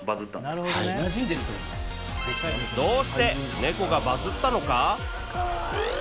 どうしてネコがバズったのか？